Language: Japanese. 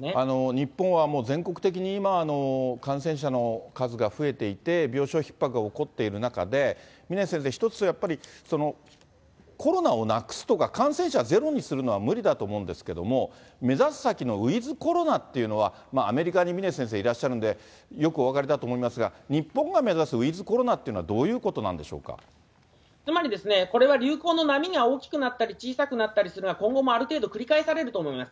日本はもう、全国的に今、感染者の数が増えていて、病床ひっ迫が起こっている中で、峰先生、一つやっぱりコロナをなくすとか、感染者をゼロにするのは無理だと思うんですけども、目指す先のウィズコロナっていうのは、アメリカに峰先生いらっしゃるので、よくお分かりだと思いますが、日本が目指すウィズコロナっていうのは、どういうことなんでしょつまり、これは流行の波が大きくなったり小さくなったりするのは、今後もある程度、繰り返されると思います。